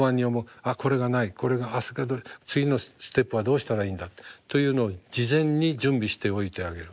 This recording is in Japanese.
「これがないこれが次のステップはどうしたらいいんだ」というのを事前に準備しておいてあげる。